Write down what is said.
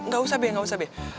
gak usah be gak usah be